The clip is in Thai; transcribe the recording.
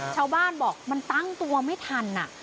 ชาวบ้านบอกมันตั้งตัวไม่ทัน